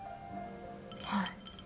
はい。